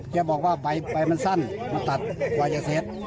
แกบอกว่าใบมันสั้นมันตัดกว่าจะเสร็จ